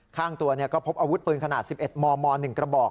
ข้างตัวก็พบอาวุธปืนขนาด๑๑มม๑กระบอก